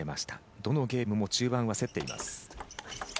どのゲームも中盤は競っています。